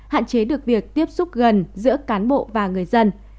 hạn chế được việc tiếp xúc gần giữa cán bộ và người dân